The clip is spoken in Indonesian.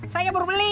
saya baru beli